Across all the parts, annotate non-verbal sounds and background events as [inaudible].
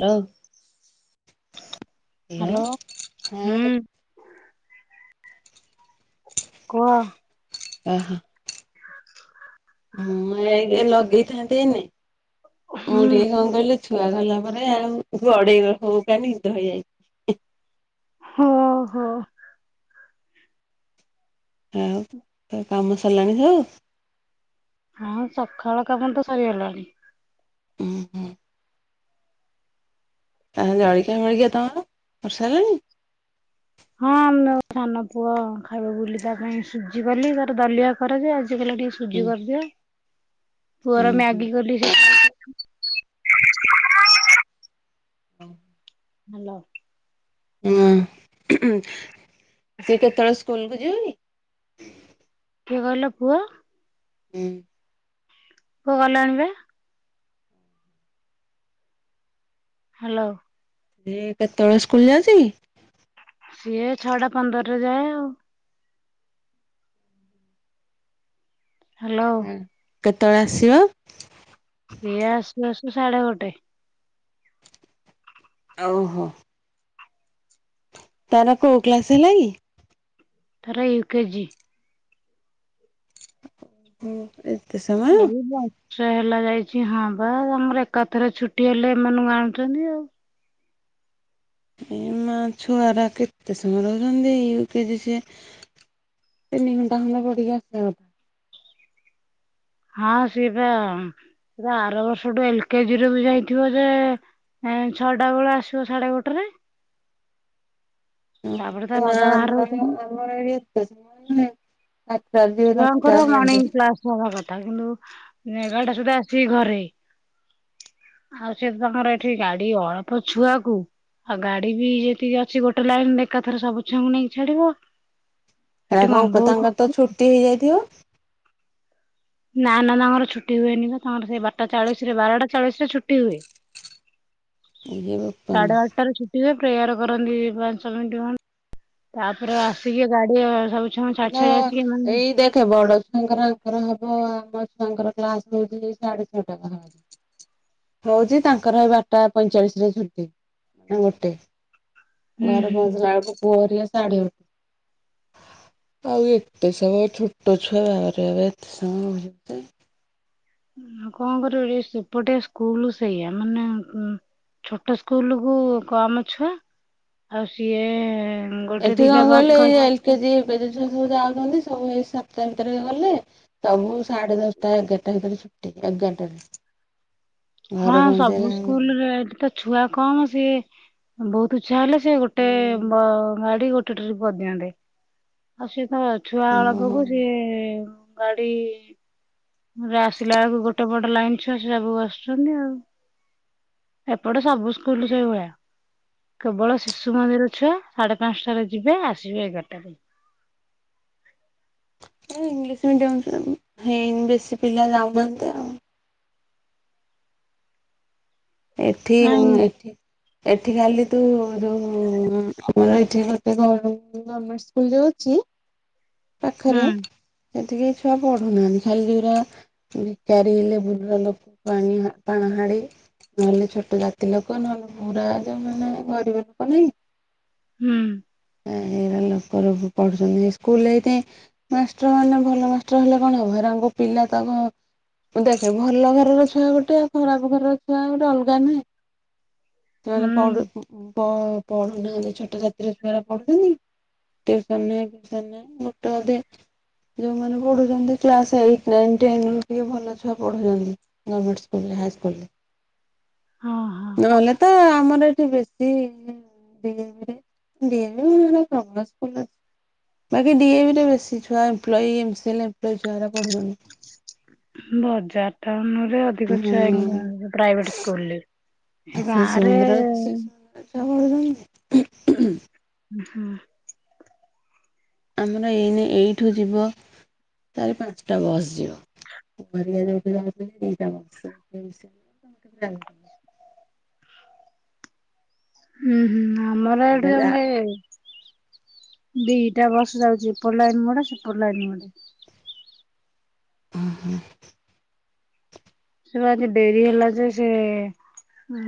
Hello. Hello ହୁଁ କୁହ। ଓ ହ। ହଁ ଏଇନେ ଲଗେଇଥାନ୍ତିନି ମୁଁ ହୁଁ ଟିକେ କଣ କହିଲି। ଛୁଆ ଗଲା ପରେ ଆଉ ଗଡେଇ ହଉ ହଉ କା ନିଦ ହେଇଯାଛି। ହୋ ହୋ। ଆଉ କାମ ସରିଲାଣି କିଲୋ। ହଁ ସକାଳ କାମ ତ ସରିଗଲାଣି। ହୁଁ ହୁଁ। ଆଉ ଜଳିଖିଆ ଫଳିଖିଆ ତମର କରି ସରିଲଣି? ହଁ ଆନୁ ସାନ ପୁଅ ଖାଇବା ବୁଲି ତା ପାଇଁ ସୁଝି କଲି ତାର ଦଲିଆ କରେ ଯେ ଆଜି କାଇଲା ଟିକେ ହୁଁ ସୁଜି କରିଦିଅ ହୁଁ ପୁଅର ହୁଁ। ମ୍ୟାଗି କଲି। ହୁଁ। ହାଲୋ। ହୁଁ ସିଏ କେତେବେଳେ ସ୍କୁଲ୍ କୁ ଯିବକି? କିଏ କହିଲ ପୁଅ? ହୁଁ। ପୁଅ ଗଲେ ଆଣିବା। ହ୍ୟାଲୋ। ସିଏ କେତେବେଳେ ସ୍କୁଲ ଯାଉଛି କି? ସିଏ ଛଅଟା ପନ୍ଦରରେ ଯାଏ ଆଉ। ହ୍ୟାଲୋ କେତେବେଳେ ଆସିବ? ସିଏ ଆସୁ ଆସୁ ସାଢେ ଗୋଟିଏ। ଆଉ ହ। ତାର କୋଉ କ୍ଲାସ ହେଲା କି? ତାର ୟୁ କେଜିି। ହୁଁ ଏ [inaudible] ସେ ହେଲା ଯାଇଛି ହଁ ବା ଆମର ଏକାଥରେ ଛୁଟି ହେଲେ ଏମାନଙ୍କୁ ଆଣୁଛନ୍ତି ଆଉ। ଏ ମା ଛୁଆର କେତେ ସମୟ ରହୁଛନ୍ତିଇ ୟୁ କେଜି ସେ। ତିନି ଘଣ୍ଟା ଖଣ୍ଡେ ପଢ଼ିକି ଆସିବା କଥା। ହଁ ସିଏପା ଆର ବର୍ଷଠୁ ଏଲ୍ କେଜିରୁ ବି ଯାଇଥିବ ଯେ ଛଅଟା ବେଳୁ ଆସିବ ସାଢେ ଗୋଟେରେ ତାପରେ ତା ନାଁ ବାବା ବାହାରେ ନାଁ ରହୁଛନ୍ତି। ଆମର ଏତେ ଆତି ଛୁଆଙ୍କର ରଡି ମର୍ଣ୍ଣିଂ [inaudible] କ୍ଲାସ ହବା କଥା କିନ୍ତୁ ଏଗାର ଟା ସୁଦ୍ଧା ଆସିକି ଘରେ ଆଉ ସେ ତାଙ୍କର ଏଠି ଗାଡି ଅଳ୍ପ ଛୁଆକୁ ଆଉ ଗାଡି ବି ଯେତିକି ଅଛି ଗୋଟେ ଲାଇନରେ ଏକାଥରେ ସବୁ ଛୁଆଙ୍କୁ ନେଇକି ଛାଡିବ। ସେଠି ଏଟା କଣ କପ ବହୁତ ତାଙ୍କର ତ ଛୁଟି ହେଇଯାଇଥିବ? ନାଁ ନାଁ ତାଙ୍କର ଛୁଟି ହୁଏନି ବା ତାଙ୍କର ସେଇ ବାରଟା ଚାଳିଶରେ ବାରଟା ଚାଳିଶ ରେ ଛୁଟି ହୁଏ। ଇଏ ବୋପା ମା ସାଡ଼େ ଆଟଟାରୁ ଛୁ ପିଲେ ପ୍ରେୟାର୍ କରନ୍ତି ପାଞ୍ଚ ମିନିଟ୍ ଖନ୍ ତାପରେ ଆସିକି ଏ ଗାଡି ଏ ସବୁ ଛୁଆ ଛାଡି ସେଦିନ ଛାଡି ଆସିକି ଏମାନେ ଏଇ ଦେଖେ ବଡ ଛୁଆଙ୍କର କର ହବ ଆମ ଛୁଆଙ୍କର କ୍ଲାସ୍ ହଉଛି ଏଇ ସାଢେ ଛଅ ଟା ପାଖାପାଖି। ହଉଚି ତାଙ୍କର ଏ ବାରଟା ପଇଁଚାଳିଶ ରେ ଛୁଟି। ନା ଗୋଟେ। ହୁଁ ଘରେ ପହଞ୍ଚିଲା ବେଳକୁ ପୁଅ ହେରିକା ସାଢେ ଗୋ ଆଉ ଏତେ ସମୟ ଛୋଟ ଛୁଆ ବାବାରେ ବାବା ଏତେ ସମୟ [inaudible] ଆଉ କଣ କରିବୁ, ଏ ସେପଟେ ସ୍କୁଲ୍ ସେଇଆ। ମାନେ ଉଁ, ଛୋଟ ସ୍କୁଲ୍ କୁ କମ୍ ଛୁଆ। ଆଉ ସିଏ ଗୋଟେ ଏଠି କଣ ଦିଟା ବସ୍ କହିଲେ କ ଏଇ ଏଲ୍ କେଜି, ୟୁ କେଜି ଛୁଆ ସବୁ ଯାଉଚନ୍ତି। ସବୁ ଏଇ ସାତ ଟା ଭିତରେ ଗଲେ ସବୁ ସାଢେ ଦଶଟା ଏଗାର ଟା ଭିତରେ ଛୁଟି, ଏଗାର ଟାରେ। ହଁ ସବୁ ସ୍କୁଲ୍ ରେ ଏଠି ତ ଛୁଆ କମ୍ ସିଏ ଅ, ବହୁତୁ ଛୁଆ ହେଲେ ସେ ଗୁଟେ ବ ଗାଡି ଗୋ ଟୋଟାଲେ ପ ଦିଅନ୍ତେ। ଆଉ ସିଏ ତ ଛୁଆ ଓହୋ ଅଳପକୁ ସିଏ ଗାଡି ରେ ଆସିଲା ବେଳକୁ ଗୋଟେ ବଡ ଲାଇନ୍ ଛୁଆ ସେ ସବୁ ଆସୁଛନ୍ତି ଆଉ। ଏପଟେ ସବୁ ସ୍କୁଲ୍ ସେଇ ଭଳିଆ। କେବଳ ଶିଶୁ ମନ୍ଦିର ଛୁଆ ସାଢେ ପାନ୍ସଟାରେ ଯିବେ ଆସିବେ ଏଗାରଟା ରେ। ଏ ଇଂଲିଶ ମିଡିୟମ୍ [inaudible] ହେଇନି ବେଶୀ ପିଲା ଯାଉ ନାହାନ୍ତି ଆଉ। ଏଠି ହୁଁ ଏଠି ଏଠି ଖାଲି ତୁ ଯୋଉ ଉଁ, ଆମର ଏଠି ଗୋଟେ ଗମେଣ୍ଟ ଏଇ ଗମେଣ୍ଟ ସ୍କୁଲ୍ ଯୋଉ ଅଛି ପାଖରେ, ହୁଁ ସେଠି କେହି ଛୁଆ ପଢୁନାହାନ୍ତି। ଖାଲି ଯୋଉ ରା ଭିକାରି ହେଲେ ଗୁରୁଜନ ପାଣି ହାଁ ପାଣ ହାଡି ନହେଲେ ଛୋଟ ଜାତି ଲୋକ, ନହେଲେ ପୁରା ଯୋଉ ମାନେ ଗରିବ ଲୋକ ନାଇଁ। ହୁଁ। ଏ ହେଇରା ଲୋକ ସବୁ ପଢ଼ୁଛନ୍ତି, ହେ ସ୍କୁଲ୍ ରେ ଏଇଥିପାଇଁ ମାଷ୍ଟର୍ ମାନେ ଭଲ ମାଷ୍ଟର୍ ହେଲେ କଣ ହବ ହେଇରାଙ୍କୁ ପିଲା ତାଙ୍କ ମୁଁ ଦେଖେ ଭଲ ଘରର ଛୁଆ ଗୋଟେ ଆଉ ଖରାପ ଘରର ଛୁଆ ଗୋଟେ ଅଲଗା ନୁହେଁ? ସେମାନେେ ହୁଁ ପଢୁ ପ-ପଢୁ ନାହାନ୍ତି ଛୋଟ ଜାତିର ହେଉଡା ପଢୁଛନ୍ତି କି, ଟିଭସନ ଫିଉସନ ନାହିଁ। ଗୋଟେ ଅଧେ ଯୋଉମାନେ ପଢୁଚ଼ନ୍ତି କ୍ଲାସ୍ ଏଇଟି ନାଇନ୍ ଟେନ୍ ରୁ ଟିକେ ଭଲ ଛୁଆ ପଢୁଚନ୍ତି। ଗମେଣ୍ଟ ସ୍କୁଲ୍ ରେ ହାଇ ସ୍କୁଲ୍ ରେ। ହଁ ହଁ ନହେଲେ ତ ଆମର ଏଠି ବେଶୀ [inaudible] ଡିଏଭି [unintelligible] ସ୍କୁଲ୍ ରେ ବାକି ଡିଏବି ରେ ବେଶି ଛୁଆ employee, M C L, employee ଛୁଆ ଗୁରା ପଢୁଚନ୍ତି। ବଜାର ଟାଉନ୍ ରେ ଅଧିକ ହୁଁ ଛୁଆ ଏଇନେ ପ୍ରାଇଭେଟ୍ ସ୍କୁଲ୍ ରେ। ହେ ଗାଁରେ ପାଠ ପଢୁଚନ୍। ଏ ହଁ। ଆମର ଏଇନେ ଏଇଠୁ ଯିବ ତାର ପାଞ୍ଚଟା ବସ୍ ଯିବ [inaudible] ଯାଉ ଉଁ, ହୁଁ ଆମର ଏଇଠୁ ଯାଉ ଏଟା ଯା ନେ ଦିଟା ବସ୍ ଯାଉଚି ଏପଟ ଲାଇନ୍ ଗୋଟେ। ସେପଟ ଲାଇନ୍ ଗୋଟେ। ଅଁ, ହଁ। ସେ ପା ଆଜି ଡେରି ହେଲା ଯେ ସେ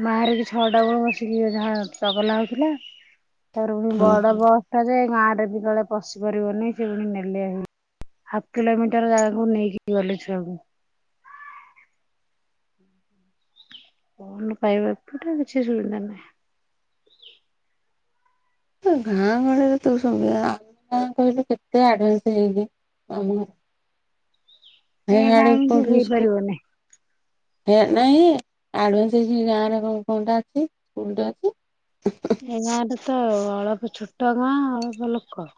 ମାରି କି ଛଅଟା ବେଳୁ ବସିକି ଯାହା ଚଗଲା ହଉଥିଲା। ତାପରେ ପୁଣି ବଡ ଓହୋ। ବସ୍ ଟା ଯେ ଗାଁ ରେ ବି କାଳେ ପଶି ପାରିବନି, ସେ ପୁଣି ନେଲେ ହେଇ। ହାଫ୍ କିଲୋମିଟର ଜାଗାକୁ ନେଇକି ଗଲେ ଛୁଆକୁ। ହୁଁ [inaudible] ପାଇବ ଏପଟେ କିଛି ସୁବିଧା ନାହିଁ। ଏ ଗାଁ ଗହଳିରେ ତ ସୁବିଧା କହିଲୁ କେତେ ଆଡଭାନ୍ସ ହେଇକି [unintelligible] ଏ ସାଡେ ଗାଁକୁ କୋଉଠି [unintelligible] ହେଇପାରିବନି ହେ ନାଇଁ [unintelligible] ହେଇଚି ଗାଁ ରେ କଣ କଣଟା ଅଛି ସ୍କୁଲ୍ ଟେ ଅଛି ଏ ଗାଁରେ ତ ଅଳପ ଛୋଟ ଗାଁ ଅଳପ ଲୋକ।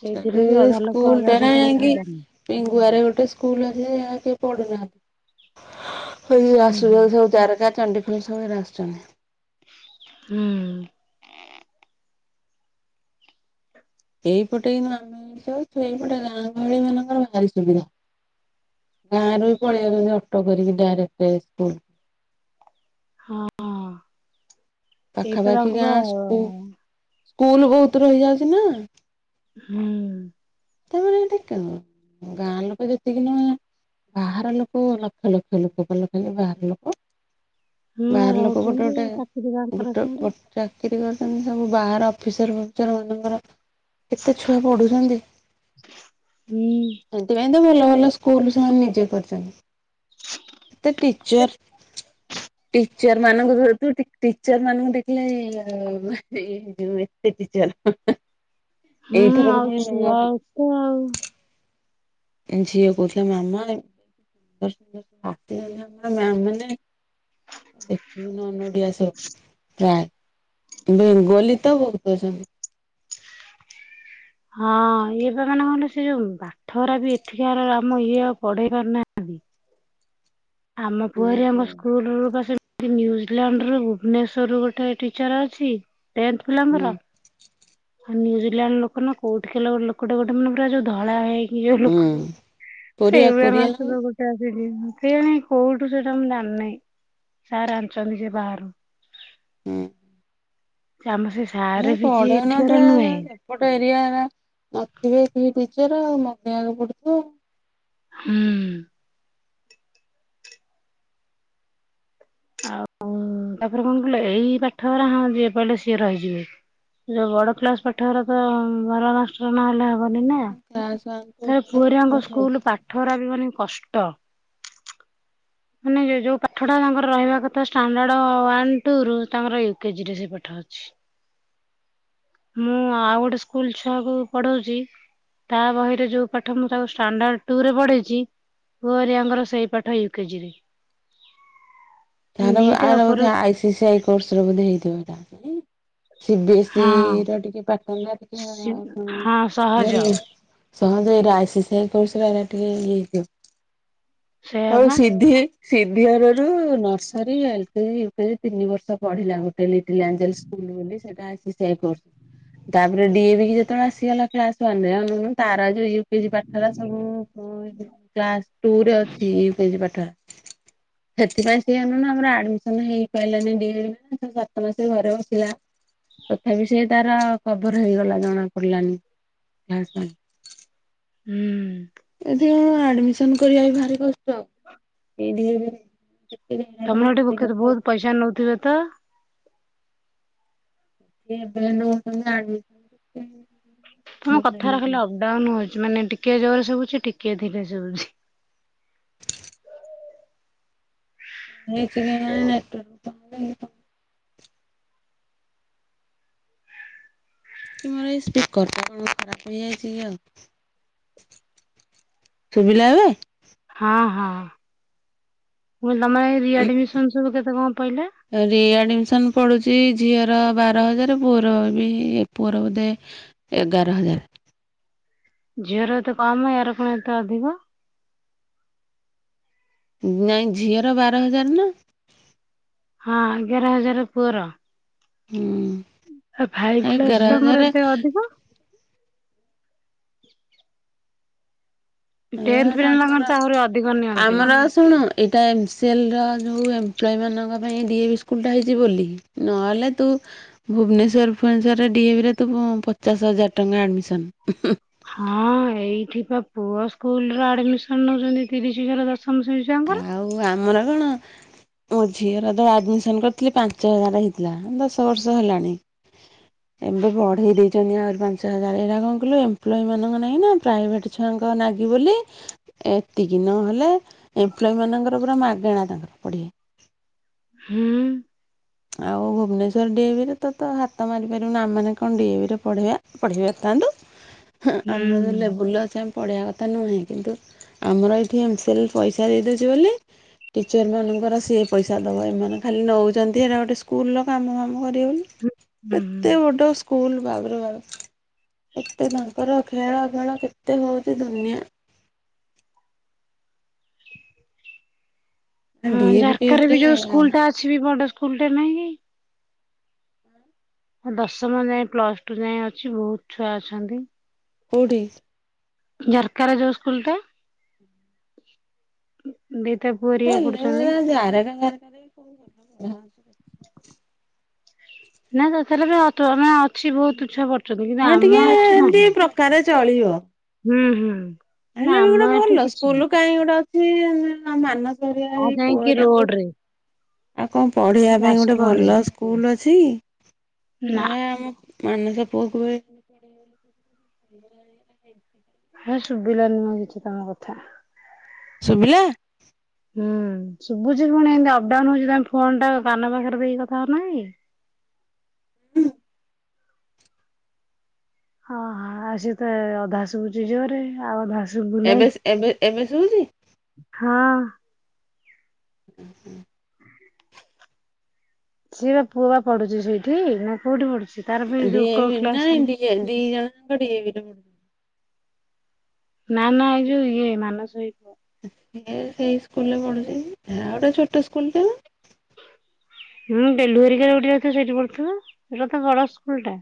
ସେଇଥିରେ ଏ ବି ଅଧା ଲୋକ ଅଧା ସ୍କୁଲଟା ନା ସହିତ ଯାଇକି କଥାଆର୍ତା ନାହିଁ। ପିଙ୍ଗୁଆରେ ଗୋଟେ ସ୍କୁଲ୍ ଅଛି [unintelligible] କିଏ ପଢୁନାହାନ୍ତି। ହୁଁ [unintelligible] ହୁଁ। ସବୁ ତାରକା ଚଣ୍ଡିଖୋଲ ସବୁ ଏରା ଆସୁଚନ୍ତି। ହୁଁ। ଏଇପଟେ କିନ୍ତୁ ଆମେ [unintelligible] ଏଇପଟେ ଗାଁ ଗହଳି ମାନଙ୍କର ଭାରି ସୁବିଧା। ଗାଁରୁ ବି ପଳେଇଆଉଚନ୍ତି ଅଟୋ କରିକି ଡାଇରେକ୍ଟେ ସ୍କୁଲ୍। ହଁ। ଏଇପା ପାଖାପାଖି ତାଙ୍କୁ ବା ଗାଁ ହୁଁ। ସ୍କୁ ସ୍କୁଲ୍ ବହୁତ୍ ରହିଯାଉଚି ନାଁ। ହୁଁ। ତାପରେ [unintelligible] ଗାଁ ଲୋକ ଯେତିକି ନୁହେଁ ବାହାର ଲୋକ ଲକ୍ଷ-ଲକ୍ଷ ଲୋକ [unintelligible] ବାହାର ଲୋକ। ହୁଁ ବାହାର ଲୋକ ରହୁଛନ୍ତି ଚାକିରି ତାଙ୍କର ଗୋଟେ-ଗୋଟେ-ଗୋଟେ ସିଆଡେ ଗୋ ଚାକିରୀ କରୁଚନ୍ତି ସବୁ ବାହାର ଅଫିସର ଫଫିସର ମାନଙ୍କର କେତେ ଛୁଆ ପଢୁଛନ୍ତି। ହୁଁ। ସେଥିପାଇଁ ତ ଭଲ-ଭଲ ସ୍କୁଲୁ ସେମାନେ ନିଜେ କରିଚନ୍ତି। [unintelligible] ଟିଚର୍ ଟି ଚର୍ ମାନଙ୍କୁ ଟିଚର୍ ମାନଙ୍କୁ ଦେଖିଲେ [unintelligible] ଏତେ ଟିଚର୍ ହେଁ-ହେଁ। ଁ ହୁଁ ଆଉ ଛୁଆ ତ ଆଉ। ଝିଅ କହୁଥିଲା ମାମା [unintelligible] ଦେଖିବୁ ନନ୍ ଓଡ଼ିଆ ସବୁ। ପ୍ରାୟ ବେଙ୍ଗୋଲି ତ ବହୁତ୍ ଅଛନ୍ତି। ହଁ ଇଏ ବା ମାନେ କଣ କହିଲୁ ସେ ଯୋଉ ବା ଠରା ବି ଏଠିକାର ଆମ ଇଏ ଆଉ ପଢେଇ ପାରୁନାହାନ୍ତି। ଆମ ପୁଅ ଓହୋ। ହେରିଆଙ୍କ ସ୍କୁଲରୁ ବା ସେ ନ୍ୟୁଜିଲାଣ୍ଡ ରୁ ଭୁବନେଶ୍ଵର ରୁ ଗୋଟେ ଟିଚର୍ ଅଛି ଟେନ୍ଥ ହୁଁ ପିଲାଙ୍କର। ଆଉ ନ୍ୟୁଜିଲାଣ୍ଡ ଲୋକ ନା କୋଉଠିକା ଲୋକଟେ ଗୋଟେ ମାନେ ପୁରା ଯୋଉ ଧଳା ହେଇ ଯଉ ହୁଁ ଲୋକ କୋରିଆ ସେଇଭଳିଆ କୋରିଆ ଲୋକ [unintelligible] [unintelligible] କେଜାଣି କୋଉଠୁ ସେଟା ମୁଁ ଜାଣିନେଇଁ, ସାର୍ ଆଣିଛନ୍ତି ସେ ବାହାରୁ। ହୁଁ ସେ ଆମ ସେ ସାରରେ ବି ଯଏ ଏଠିକାର ନୁହେଁ। ଗୋଟ ଏରିଆର ନଥିବେ କେହି ଟିଚର୍ ଆଉ ମଗେଇବାକୁ ପଡୁଥିବ ଆଉ। ହୁଁ। ଆଉ ତାପରେ କଣ କହିଲ ଏଇ ପାଠରା ହଁ ଯିଏ ପାଇଲେ ସିଏ ରହିଯିବେ। ଯୋଉ ବଡ କ୍ଲାସ୍ ପାଠ ଗୁରାକ ଭଲ ମାଷ୍ଟର ନହେଲେ ହବନି ନା। ଖ ଶ [inaudible] [unintelligible] ପୁଅ ହେରିଅଙ୍କ ସ୍କୁଲ୍ ପାଠରା ବି ମାନେ କଷ୍ଟ। [unintelligible] ମାନେ ଯୋଉ ପାଠଟା ତାଙ୍କର ରହିବା କଥା ଷ୍ଟାଣ୍ଡାର୍ଡ ୱାନ ଟୁ ରୁ ତାଙ୍କର ୟୁକେଜିରେ ସେ ପାଠ ଅଛି। ମୁଁ ଆଉ ଗୋଟେ ସ୍କୁଲ୍ ଛୁଆକୁ ପଢ଼ୋଉଚି। ତା ବହିରେ ଯୋଉ ପାଠ ମୁଁ ତାକୁ ଷ୍ଟାଣ୍ଡାର୍ଡ ଟୁ ରେ ପଢେଇଚି। ପୁଅ ହେରିଆଙ୍କର ସେଇ ପାଠ ୟୁକେଜି ରେ। [unintelligible] ଦିଟା ଆର ଉପର ବୋଧେ ଆଇ ସି ସି ଆଇ କୋର୍ସର ବୋଧେ ହେଇଥିବ ହେଇଟା। ସିବ ଏସ୍ ଇ ହଁ ର ଟିକେ ପ୍ୟାଟର୍ନ ଟା ଟିକେ ହଁ ସହଜ [unintelligible] ସେମିତିରେ ଆଇ ସି ସି ଆଇ କୋର୍ସରେ ଆକା ଟିକେ ଇଏ ହେଇଯିବ ସେଇଆ ଆଉ ବା ସିଦ୍ଧି ସିଧିଆର ର ନ [inaudible] ସରି ଏଲକେଜି ୟୁକେଜି ତିନି ବର୍ଷ ପଢିଲା ଗୋଟେ ଲିଟିଲ ଏଞ୍ଜେଲ ସ୍କୁଲ ବୋଲି ତାର ଭି ସେ କୋର୍ସ ତାପରେ ଡି ଏ ଭି କୁ ଯେତେବେଳେ ଆସିଗଲା କ୍ଲାସ ୱାନ ରେ ତାର ୟୁକିଜି ପାଠରା ସବୁ କ୍ଲାସ ଟୁ ରେ ଅଛି ୟୁକେଜି ପାଠ ସେଥିପାଇଁ ସେ ଆମର ଆଡମିସନ ହେଇପାରିଲାନି ଟି ସାତ ମାସରେ ଘରେ ବସିଲା ତଥାପି ସେ ତାର କଭର୍ ହେଇଗଲା ଜଣା ପଡିଲାନି ଆଜ୍ଞା ହୁଁ ଏଠି କଣ ଆଡମିସନ କରିବା ବି ଭାରି କଷ୍ଟ ଏଠି ହେଲେ ତମର ଗୋଟେ ପଖେ ତ ବହୁତ ପଇସା ନଉଥିବେ ତ ଏବେ ନହେଲେ ଆଡମିନ୍ ତମ କଥାର ଖାଲି ଅପ ଡାଉନ ହଉଛି ମାନେ ଟିକେ ଜୋରରେ ଶୁଭୁଛି ଟିକେ ଧୀରେ ଶୁଭୁଛି ହ [inaudible] ନେଟୱର୍କ ପାଉନି କଣ କି ମୋର ଏଇ ସ୍ପିକର ଟା କଣ ଖରାପ ହେଇଯାଇଛି କି ଆଉ? ଶୁଭିଲା ଏବେ ହଁ ହଁ ମାନେ ରିଆଡମିସନ ସବୁ କେତେ କଣ ପଇଲା ରିଆଡମିସନ ପଡୁଛି ଝିଅର ବାର ହଜାର ପୁଅର ବି ପୁଅର ବୋଧେ ଏଗାର ହଜାର ଝିଅର ଏତେ କମ ୟାର କଣ ଏତେ ଅଧିକ ନାଇଁ ଝିଅର ବାର ହଜାର ନା ହଁ ଏଗାର ହଜାର ପୁଅର ହୁଁ ଫାଇଭ କ୍ଲାସ ଏଗାର ଛୁଆଙ୍କର ହଜାର ଏତେ ଅଧିକ ଏ ଟେନ୍ଥ ପିଲାଙ୍କର ତାଙ୍କର ତ ଆହୁରି ଅଧିକ ନିଅନ୍ତି। ଆମର ଶୁଣ ଏଇଟା ଏମ୍ସିଏଲର ଯୋଉ ଏମ୍ପ୍ଲୟ ମାନଙ୍କ ପାଇଁ ଡିଏ ବି ସ୍କୁଲ ଟା ହେଇଛି ବୋଲି ନହେଲେ ତୁ ଭୁବନେଶ୍ୱର ଫୁନେଶ୍ୱର ଡିଏ ଭି ରେ ତ ପଚାଶ ହଜାର ଟଙ୍କା ଆଡ଼ମିସନ୍ ହଁ ଏଇଥିବା ପୁଅ ସ୍କୁଲ ର ଆଡମିଶନ ନଉଛନ୍ତି ତିରିଶ ଥର ଦଶମ ଶ୍ରେଣୀ ତାଙ୍କର ଆଉ ଆମର କଣ ମୋ ଝିଅର ତ ଆଡ଼ମିସନ କରିଥିଲି ପାଞ୍ଚ ହଜାର ହେଇଥିଲା ଦଶ ବର୍ଷ ହେଲାଣି ଏବେ ବଢେଇ ଦେଇଛନ୍ତି ଆହୁରି ପାଞ୍ଚ ହଜାର ଏଇଟା କଣ କିଲୁ ଏମ୍ପଲ ମାନଙ୍କ ନାଇଁ ନା ପ୍ରାଇଭେଟ୍ ଛୁଆଙ୍କ ନାଗି ବୋଲି ଏତିକି ନହେଲେ ଏମ୍ପ୍ଲୋମାନଙ୍କର ପୁରା ମାଗେଣା ତାଙ୍କର ପଡ଼ିିବେ ହୁଁ ଆଉ ଭୁବନେଶ୍ୱର ଡିଏଭିରେ ତ ତ ହାତ ମିପାରିବୁନି ଆମ ମାନେ କଣ ଡିଏଭିରେ ପଢେଇବା ପଢ଼େଇ ପାରୁଥାନ୍ତେ ହୁଁ ଆମର ଲେବୁଲ ଅଛମ ପଢ଼ିବା କଥା ନୁହେଁ କିନ୍ତୁ ଆମର ଏଇଠି ଏମ୍ସିଏଲ ପଇସା ଦେଇ ଦେେଉଛି ବୋଲି ଟିଚର ମାନଙ୍କର ସିଏ ପଇସା ଦବ ଏମାନେ ଖାଲି ନେଉଛନ୍ତି ଦେହରା ଗୋଟେ ସ୍କୁଲର କାମ କାମ କରିଗନ ଏତେ ହୁଁ। ବଡ଼ ସ୍କୁଲ ବାାବରେ ବା ଏତେ ତାଙ୍କର ଖେଳ ଖେଳ କେତେ ହଉଛି ଦୁନିଆ ହଁ ଡିଏଭି ଝାରକାରେ ବି ଫିଏଭିରେ ଯୋଉ ସ୍କୁଲ ଟା ଅଛି ବଡ ସ୍କୁଲ ଟା ନହିଁ କି ଦଶମ ଯାଏ ପ୍ଲସ ଟୁ ଯାଏଁ ଅଛି ବହୁତ ଛୁଆ ଅଛନ୍ତି କଡ଼ି ଜରକାର ଯୋଉ ସ୍କୁଲ ତ ଦିଟ ପୁଆ ପଡୁଛନ୍ତି ଯହାର କ ନା ସେଥରେ ବି ଆମେ ଅଛି ବହୁତଛୁଆ ପଛନ୍ତି କିନ୍ତୁ ଆମ ଏଠି ନାହିଁ କରେ ଚଳିବ ହୁଁ ହୁଁ ନା ତାଲେ ବି ଗୋଟେ ଆମ ଏଠି ଭଲ କିଛି ନାହିଁ ସ୍କୁଲ କାହିଁ ଗୋଟେ ଅଛି ମାନ ଆଉ ଇ ଯାଇକି କୁଅଆଙ୍କୁ ରୋଡ ରେ ଆଉ କଣ ପଢିବା ପାଇଁ ଗୋଟେ ଯାଜପୁର ଭଲ ରୋଡରେ ସ୍କୁଲ ଅଛି ନା ହେ ଆମ ମାନସ ପୁଅକୁଳେ ହ ଶୁଭିଲାନି ମ କିଛି ତମ କଥା ଶୁଭିଲା ହୁଁ ଶୁଭୁଛି ପୁଣି ଏମତି ଅପଡାଉନ ହଉଛି ତମେ ଫୋନ ଟା କାନ ପାଖରେ ଦେଇକି କଥା ହଉନା କି ହଁହଁ ଆଉ ସଏ ତ ଅଧା ଶୁଛି ଜୋରେ ଆଉ ଅଧା ଏମ୍ ଶୁଭୁନେଇ। ଏସ୍ ଏମ୍ସ୍ ଏମ୍ ଏସ୍ ହେଉଛି ହଁ ହୁଁ ହୁଁ ସିଏ ବା ପୁଅ ବା ପଢୁଛି ସେଇଠି ନା କୋଉଠି ପଢୁଛି ତାର ଯୋଉ କୋଉ ଡିଏଭି କ୍ଲାସ ନାଇଁ ଦି ଜ ପଡ଼ିୁ ନା ନା ଏଇ ଯୋଉ ଇଏ ମାନସ ହେଇପ ସେଇ ସ୍କୁଲରେ ପଢୁଛି ଗୋଟେ ଛୋଟ ସ୍କୁଲରେ ହଁ ବେଲୁରରେ ଗୋଟେ ଅ ସେଇଠି ପଢୁଥିବ ଏଟ ତ ବଡ ସ୍କୁଲ ଟା